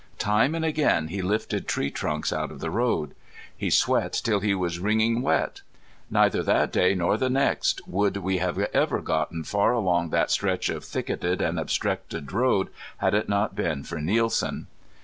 Time and again he lifted tree trunks out of the road. He sweat till he was wringing wet. Neither that day nor the next would we have ever gotten far along that stretch of thicketed and obstructed road had it not been for Nielsen.